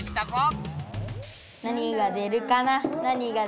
なにが出るかな。